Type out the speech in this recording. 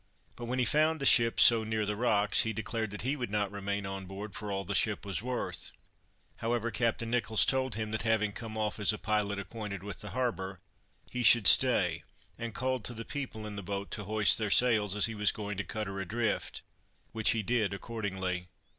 But when he found the ship so near the rocks, he declared that he would not remain on board for all the ship was worth. However, Captain Nicholls told him, that having come off as a pilot acquainted with the harbor, he should stay and called to the people in the boat to hoist their sails, as he was going to cut her adrift, which he did accordingly.